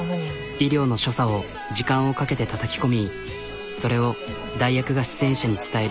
医療の所作を時間をかけてたたき込みそれを代役が出演者に伝える。